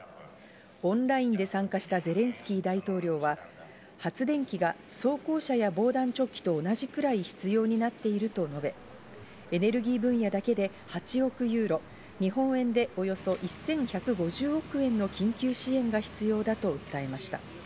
オンラインで参加したゼレンスキー大統領は、発電機が装甲車や防弾チョッキと同じくらい必要になっていると述べ、エネルギー分野だけで８億ユーロ、日本円でおよそ１１５０億円の緊急支援が必要だと訴えました。